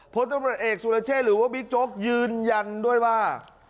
พลตำรวจเอกสุรเชษหรือว่าบิ๊กโจ๊กยืนยันด้วยว่า